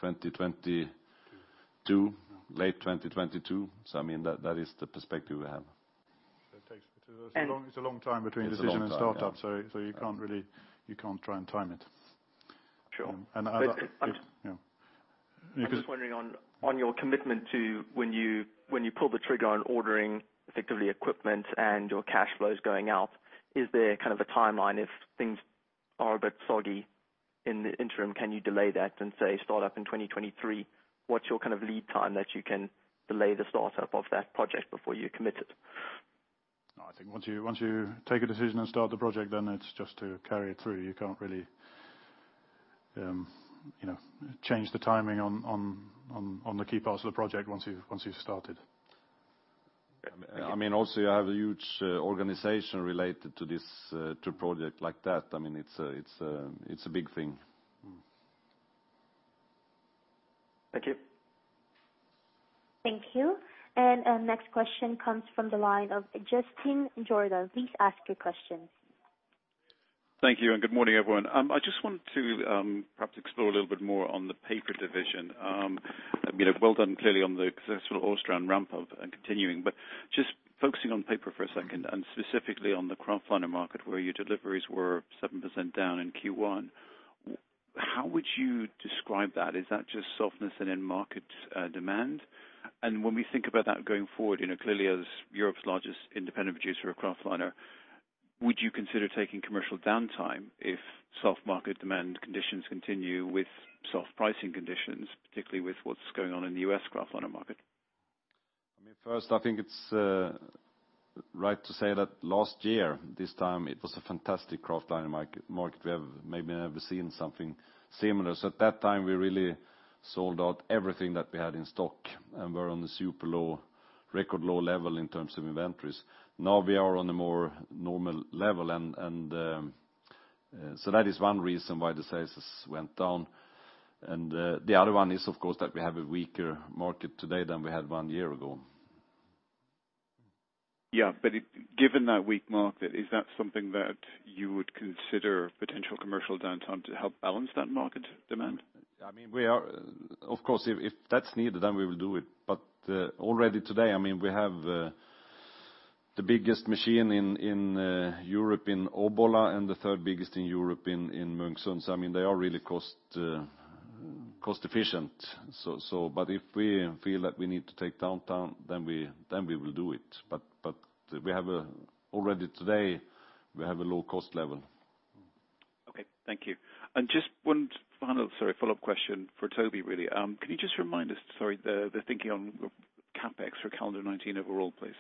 2022, late 2022. That is the perspective we have. That takes me to, it's a long time between decision and startup. It's a long time, yeah. You can't try and time it. Sure. Yeah. I'm just wondering on your commitment to when you pull the trigger on ordering effectively equipment and your cash flows going out, is there a timeline if things are a bit soggy in the interim, can you delay that and say start up in 2023? What's your lead time that you can delay the startup of that project before you're committed? I think once you take a decision and start the project, it's just to carry it through. You can't really change the timing on the key parts of the project once you've started. Also you have a huge organization related to project like that. It's a big thing. Thank you. Thank you. Next question comes from the line of Justin Jordan. Please ask your question. Thank you, good morning, everyone. I just wanted to perhaps explore a little bit more on the paper division. Well done clearly on the successful Östrand ramp up and continuing, but just focusing on paper for a second, and specifically on the kraftliner market where your deliveries were 7% down in Q1. How would you describe that? Is that just softness in end market demand? When we think about that going forward, clearly as Europe's largest independent producer of kraftliner, would you consider taking commercial downtime if soft market demand conditions continue with soft pricing conditions, particularly with what's going on in the U.S. kraftliner market? First, I think it's right to say that last year, this time, it was a fantastic kraftliner market. We have maybe never seen something similar. At that time, we really sold out everything that we had in stock, and were on the super low, record low level in terms of inventories. Now we are on a more normal level, that is one reason why the sales went down. The other one is, of course, that we have a weaker market today than we had one year ago. Yeah. Given that weak market, is that something that you would consider potential commercial downtime to help balance that market demand? Of course, if that's needed, then we will do it. Already today, we have the biggest machine in Europe, in Obbola, and the third biggest in Europe, in Munksund. They are really cost-efficient. If we feel that we need to take downtime, then we will do it. Already today, we have a low cost level. Okay. Thank you. Just one final, sorry, follow-up question for Toby, really. Can you just remind us, sorry, the thinking on CapEx for calendar 2019 overall, please?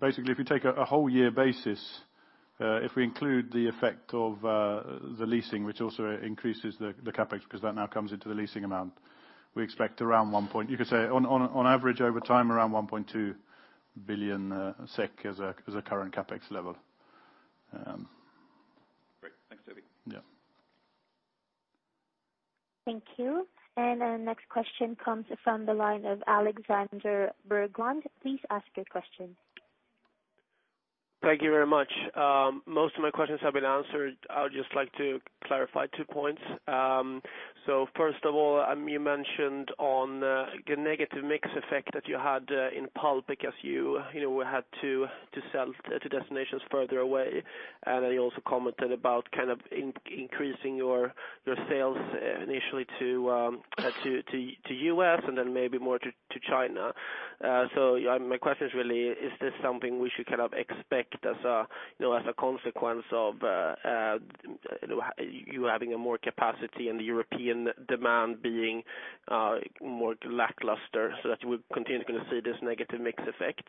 Basically, if you take a whole year basis, if we include the effect of the leasing, which also increases the CapEx, because that now comes into the leasing amount. You could say on average over time, around 1.2 billion SEK as a current CapEx level. Great. Thanks, Toby. Yeah. Thank you. Our next question comes from the line of Alexander Berglund. Please ask your question. Thank you very much. Most of my questions have been answered. I would just like to clarify two points. First of all, you mentioned on the negative mix effect that you had in pulp because you had to sell to destinations further away. Then you also commented about increasing your sales initially to U.S. and then maybe more to China. My question is really, is this something we should expect as a consequence of you having more capacity and the European demand being more lackluster, that we're continually going to see this negative mix effect?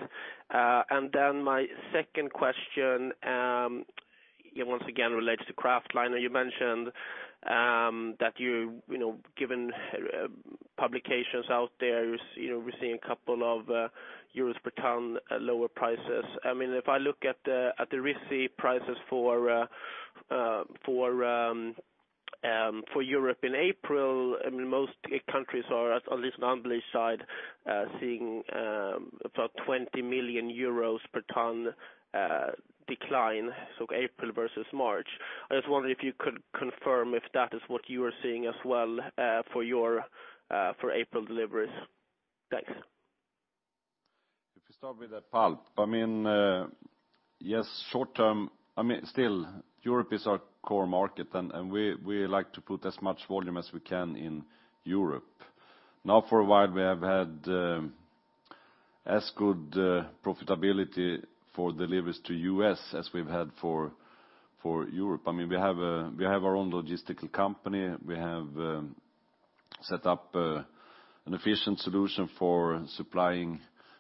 Then my second question, once again, relates to kraftliner. You mentioned that given publications out there, we're seeing a couple of euros per ton at lower prices. If I look at the RISI prices for Europe in April, most countries are, at least on the unbleached side, seeing about 20 million euros per ton decline, April versus March. I just wonder if you could confirm if that is what you are seeing as well for April deliveries. Thanks. If we start with the pulp. Yes, Europe is our core market, and we like to put as much volume as we can in Europe. For a while, we have had as good profitability for deliveries to U.S. as we've had for Europe. We have our own logistical company. We have set up an efficient solution for supplying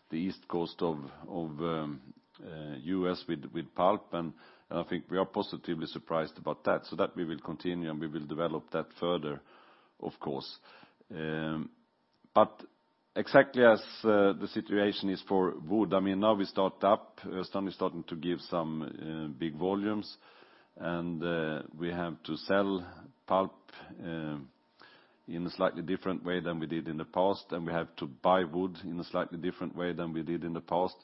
the East Coast of U.S. with pulp, and I think we are positively surprised about that. That we will continue, and we will develop that further, of course. Exactly as the situation is for wood, now we start up, Östrand is starting to give some big volumes, and we have to sell pulp in a slightly different way than we did in the past, and we have to buy wood in a slightly different way than we did in the past.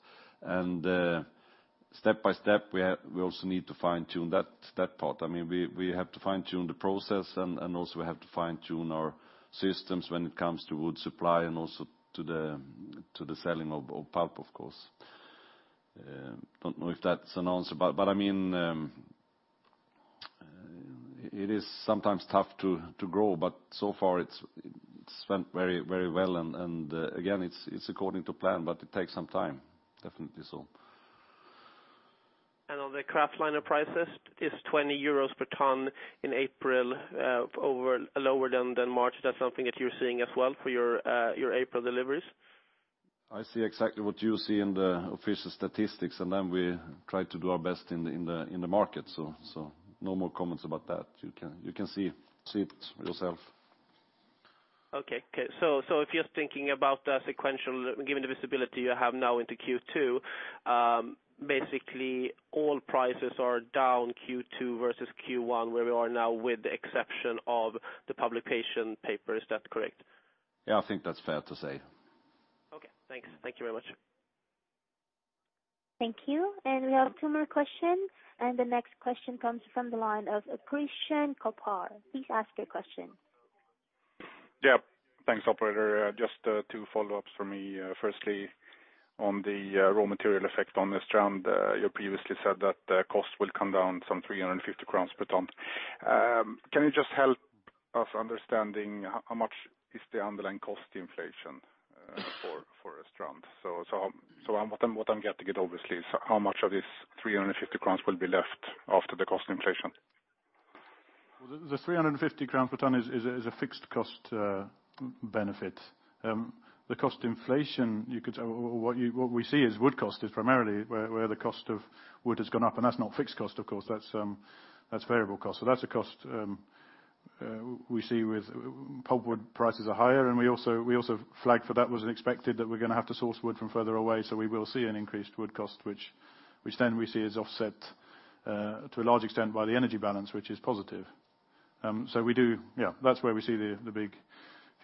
Step by step, we also need to fine-tune that part. We have to fine-tune the process, and also we have to fine-tune our systems when it comes to wood supply and also to the selling of pulp, of course. Do not know if that's an answer, but it is sometimes tough to grow, but so far it's went very well. Again, it's according to plan, but it takes some time, definitely so. On the kraftliner prices, is 20 euros per ton in April lower than March? That is something that you are seeing as well for your April deliveries? I see exactly what you see in the official statistics, and then we try to do our best in the market. No more comments about that. You can see it yourself. Okay. If you are thinking about the sequential, given the visibility you have now into Q2, basically all prices are down Q2 versus Q1, where we are now with the exception of the publication paper, is that correct? I think that's fair to say. Thanks. Thank you very much. Thank you. We have two more questions. The next question comes from the line of Christian Kopfer. Please ask your question. Thanks, operator. Just two follow-ups for me. Firstly, on the raw material effect on this trend, you previously said that the cost will come down some 350 crowns per ton. Can you just help us understanding how much is the underlying cost inflation for Östrand? What I'm getting at, obviously, is how much of this 350 crowns will be left after the cost inflation? The 350 crowns per ton is a fixed cost benefit. The cost inflation, what we see is wood cost is primarily where the cost of wood has gone up. That's not fixed cost, of course, that's variable cost. That's a cost we see with pulpwood prices are higher. We also flagged for that was unexpected, that we're going to have to source wood from further away. We will see an increased wood cost, which we see is offset to a large extent by the energy balance, which is positive. That's where we see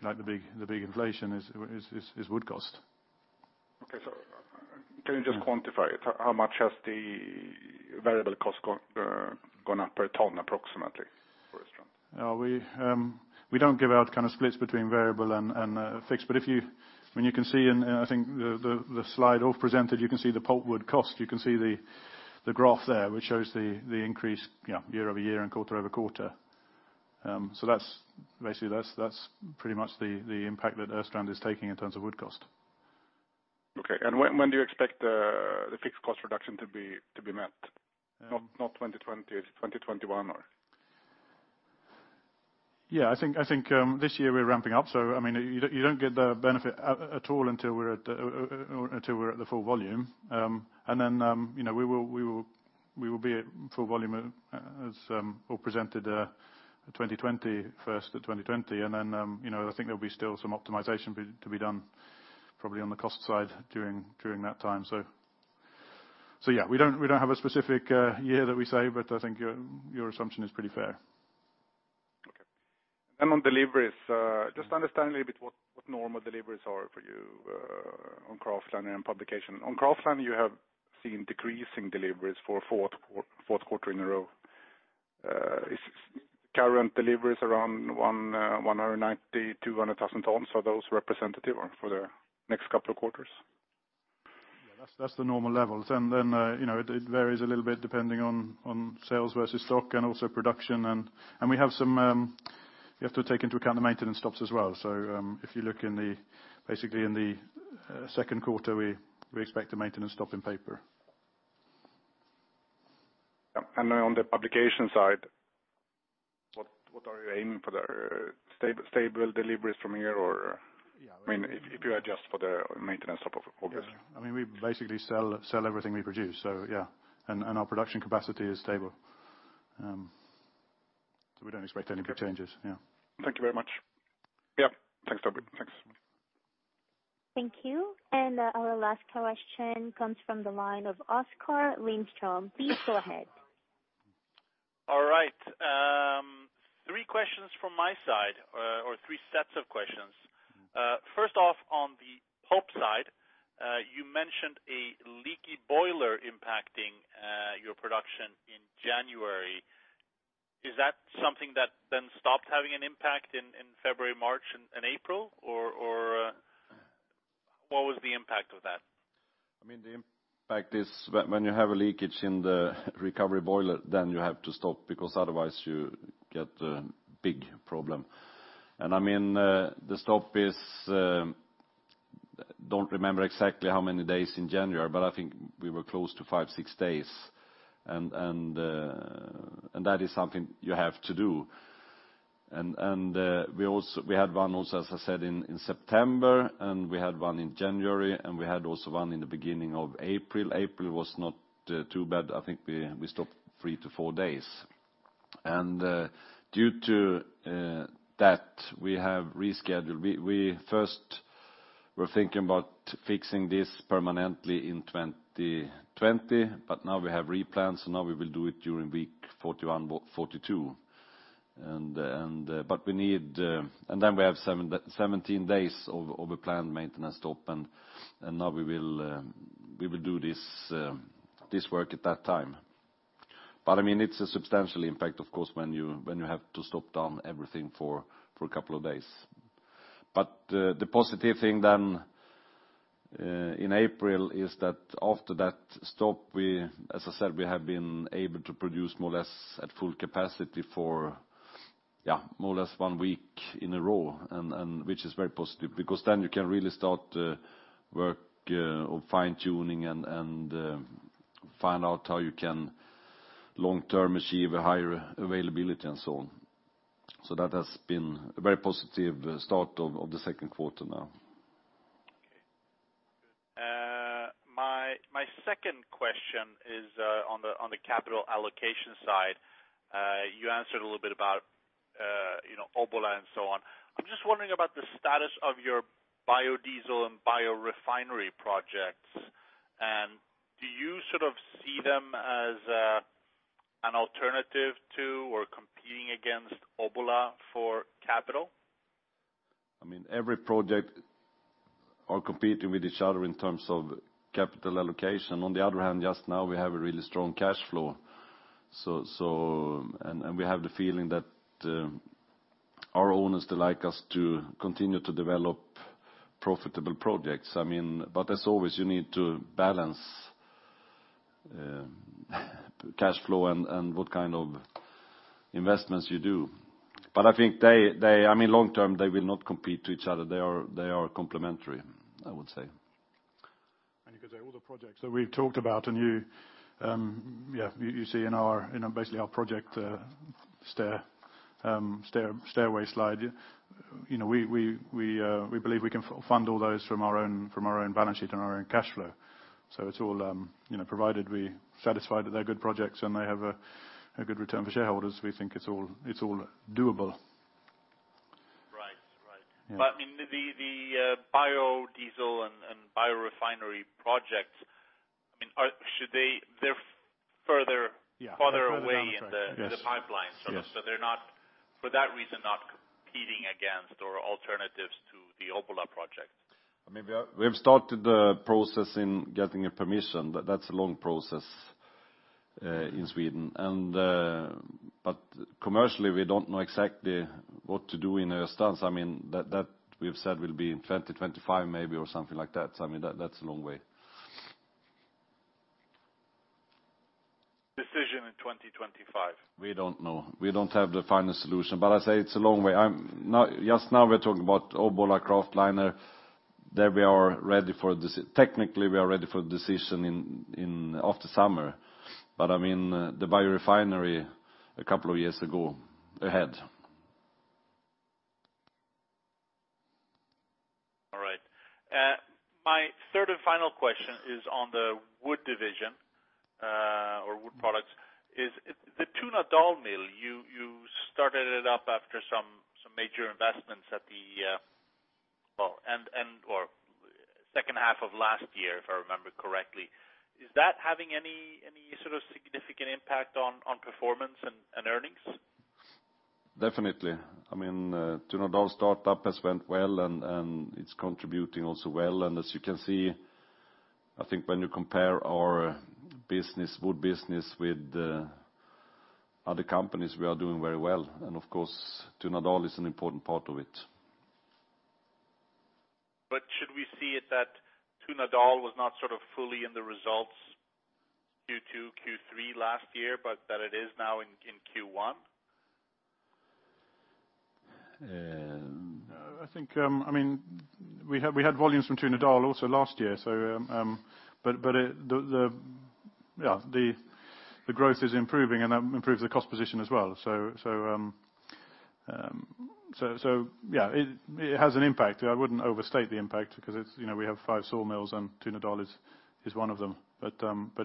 the big inflation, is wood cost. Okay. Can you just quantify it? How much has the variable cost gone up per ton, approximately, for Östrand? We don't give out kind of splits between variable and fixed. You can see in, I think, the slide Ulf presented, you can see the pulpwood cost. You can see the graph there, which shows the increase year-over-year and quarter-over-quarter. Basically, that's pretty much the impact that Östrand is taking in terms of wood cost. Okay. When do you expect the fixed cost reduction to be met? Not 2020. Is it 2021, or? I think this year we're ramping up. You don't get the benefit at all until we're at the full volume. We will be at full volume, as Ulf presented, 2020, first of 2020. I think there'll be still some optimization to be done, probably on the cost side during that time. Yeah. We don't have a specific year that we say, but I think your assumption is pretty fair. Okay. On deliveries, just to understand a little bit what normal deliveries are for you on kraftliner and publication. On kraftliner, you have seen decreasing deliveries for fourth quarter in a row. Are current deliveries around 190,000, 200,000 tons? Are those representative for the next couple of quarters? That's the normal levels. It varies a little bit depending on sales versus stock and also production. We have to take into account the maintenance stops as well. If you look basically in the second quarter, we expect a maintenance stop in paper. On the publication side, what are you aiming for there? Stable deliveries from here, or? Yeah. If you adjust for the maintenance stop, obviously. Yeah. We basically sell everything we produce, so yeah. Our production capacity is stable. We don't expect any big changes. Yeah. Thank you very much. Yeah. Thanks, Toby. Thanks. Thank you. Our last question comes from the line of Oskar Lindström. Please go ahead. All right. Three questions from my side, or three sets of questions. First off, on the pulp side, you mentioned a leaky boiler impacting your production in January. Is that something that then stopped having an impact in February, March, and April? What was the impact of that? The impact is when you have a leakage in the recovery boiler, you have to stop, because otherwise you get a big problem. The stop is, don't remember exactly how many days in January, but I think we were close to five, six days. That is something you have to do. We had one also, as I said, in September, and we had one in January, and we had also one in the beginning of April. April was not too bad. I think we stopped three to four days. Due to that, we have rescheduled. We were thinking about fixing this permanently in 2020, now we have replans, we will do it during week 41 or 42. We have 17 days of a planned maintenance stop, now we will do this work at that time. It's a substantial impact, of course, when you have to stop down everything for a couple of days. The positive thing in April is that after that stop, as I said, we have been able to produce more or less at full capacity for more or less one week in a row, which is very positive because you can really start work on fine-tuning and find out how you can long-term achieve a higher availability and so on. That has been a very positive start of the second quarter now. Okay, good. My second question is on the capital allocation side. You answered a little bit about Obbola and so on. I'm just wondering about the status of your biodiesel and biorefinery projects, do you see them as an alternative to or competing against Obbola for capital? Every project are competing with each other in terms of capital allocation. On the other hand, just now we have a really strong cash flow. We have the feeling that our owners would like us to continue to develop profitable projects. As always, you need to balance cash flow and what kind of investments you do. I think, long-term, they will not compete to each other. They are complementary, I would say. You could say all the projects that we've talked about, and you see in, basically, our project stairway slide. We believe we can fund all those from our own balance sheet and our own cash flow. It's all provided we satisfied that they're good projects and they have a good return for shareholders, we think it's all doable. Right. Yeah. The biodiesel and biorefinery projects, they're farther away. Yeah, they're further down the track. in the pipeline. Yes. They're, for that reason, not competing against or alternatives to the Obbola project. We have started the process in getting permission. That's a long process in Sweden. Commercially, we don't know exactly what to do in Östrand. We've said will be in 2025 maybe or something like that's a long way. Decision in 2025? We don't know. We don't have the final solution, I say it's a long way. Just now we're talking about Obbola kraftliner, technically we are ready for decision after summer. The biorefinery, a couple of years ago, ahead. All right. My third and final question is on the wood division or wood products. The Tunadal Mill, you started it up after some major investments end or second half of last year, if I remember correctly. Is that having any sort of significant impact on performance and earnings? Definitely. Tunadal startup has went well, and it's contributing also well. As you can see, I think when you compare our wood business with other companies, we are doing very well. Of course, Tunadal is an important part of it. Should we see it that Tunadal was not fully in the results Q2, Q3 last year, but that it is now in Q1? No. We had volumes from Tunadal also last year. The growth is improving and that improves the cost position as well. Yeah, it has an impact. I wouldn't overstate the impact because we have five sawmills and Tunadal is one of them, but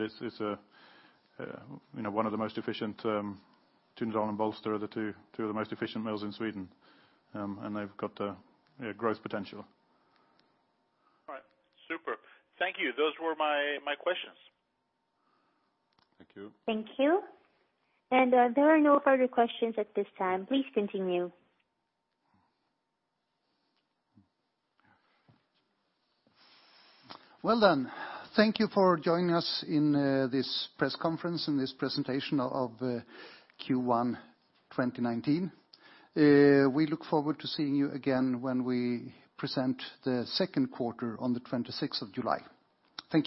it's one of the most efficient. Tunadal and Bollsta are two of the most efficient mills in Sweden, and they've got growth potential. All right. Super. Thank you. Those were my questions. Thank you. Thank you. There are no further questions at this time. Please continue. Well done. Thank you for joining us in this press conference, in this presentation of Q1 2019. We look forward to seeing you again when we present the second quarter on the 26th of July. Thank you.